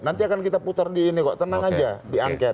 nanti akan kita putar di ini kok tenang aja diangket